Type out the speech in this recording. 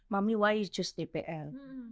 mami kenapa anda memilih dpr